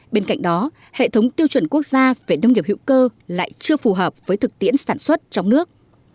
bên cạnh đó hệ thống tiêu chuẩn quốc gia về nông nghiệp hữu cơ lại chưa phù hợp với thực tiễn sản xuất trong nước